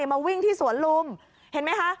มาวิ่งที่สวนลุมเห็นไหมคะ